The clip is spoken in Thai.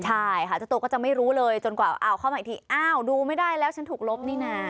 ใช่ค่ะเจ้าตัวก็จะไม่รู้เลยจนกว่าอ้าวเข้ามาอีกทีอ้าวดูไม่ได้แล้วฉันถูกลบนี่นะ